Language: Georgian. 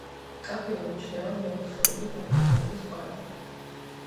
მკაფიოდ ემჩნევა მეოთხეული გამყინვარების კვალი.